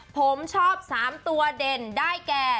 ผมชอบ๓ตัวเด่นได้แก่